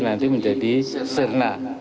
nanti menjadi serna